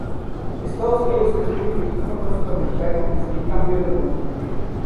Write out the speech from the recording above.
Estados Unidos es el único equipo no sudamericano en salir campeón del mundo.